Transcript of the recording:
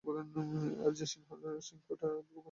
আর যে সিংহটা ওটা বানিয়েছে সেটা বিশালদেহী।